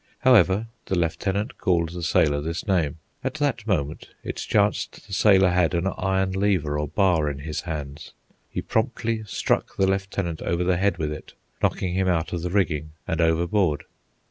However, the lieutenant called the sailor this name. At that moment it chanced the sailor had an iron lever or bar in his hands. He promptly struck the lieutenant over the head with it, knocking him out of the rigging and overboard.